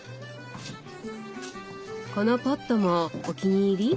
このポットもお気に入り？